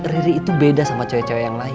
riri itu beda sama cewek cewek yang lain